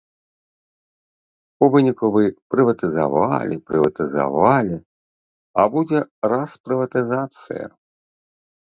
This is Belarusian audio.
У выніку вы прыватызавалі, прыватызавалі, а будзе распрыватызацыя.